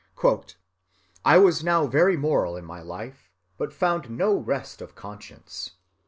"I was now very moral in my life, but found no rest of conscience.